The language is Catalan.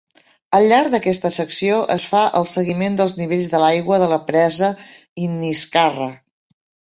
Al llarg d'aquesta secció es fa el seguiment dels nivells de l'aigua de la presa Inniscarra.